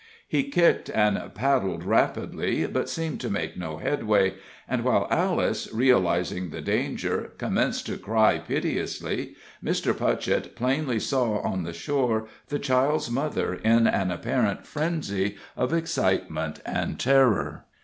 He kicked and paddled rapidly, but seemed to make no headway, and while Alice, realizing the danger, commenced to cry piteously, Mr. Putchett plainly saw on the shore the child's mother in an apparent frenzy of excitement and terror.